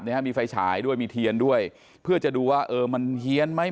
ฮะมีไฟฉายด้วยมีเทียนด้วยเพื่อจะดูว่าเออมันเฮียนไหม